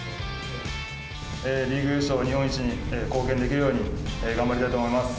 リーグ優勝、日本一に貢献できるように、頑張りたいと思います。